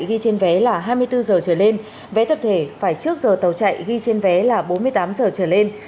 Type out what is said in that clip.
ghi trên vé là hai mươi bốn giờ trở lên vé tập thể phải trước giờ tàu chạy ghi trên vé là bốn mươi tám giờ trở lên